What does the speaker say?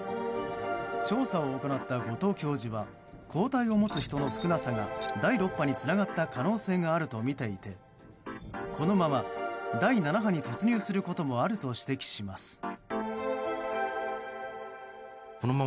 調査を行った後藤教授は抗体を持つ人の少なさが第６波につながった可能性があるとみていてこのまま第７波に突入することもあると指摘します。